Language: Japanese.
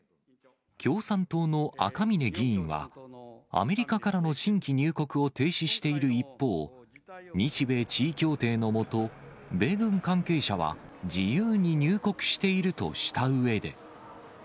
共産党の赤嶺議員は、アメリカからの新規入国を停止している一方、日米地位協定の下、米軍関係者は自由に入国しているとしたうえで。